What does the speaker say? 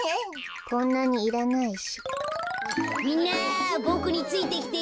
こんなにいらないし。